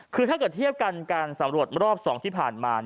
คือถ้าเกิดเทียบกันการสำรวจรอบ๒ที่ผ่านมา